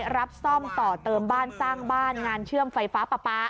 รับซ่อมต่อเติมบ้านสร้างบ้านงานเชื่อมไฟฟ้าป๊า